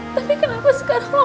tapi kenapa sekarang